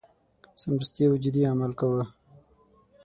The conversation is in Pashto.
سمدستي او جدي عمل کاوه.